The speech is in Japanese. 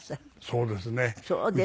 そうですね。